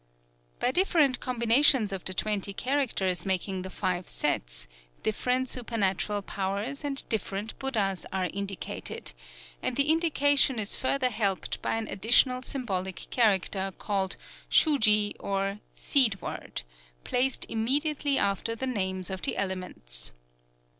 By different combinations of the twenty characters making the five sets, different supernatural powers and different Buddhas are indicated; and the indication is further helped by an additional symbolic character, called Shū ji or "seed word," placed immediately after the names of the elements.